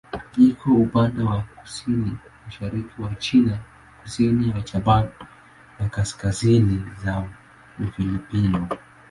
Iko upande wa kusini-mashariki ya China, kusini ya Japani na kaskazini ya Ufilipino.